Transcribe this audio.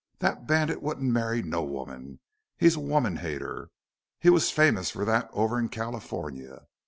Thet bandit wouldn't marry no woman. He's a woman hater. He was famous fer thet over in California.